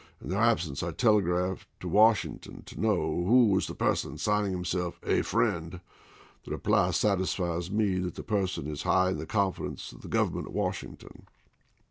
In their absence I telegraphed to Wash ington to know who was the person signing him self 'A Friend.' The reply satisfies me that the person is high in the confidence of the Govern ment at Washington."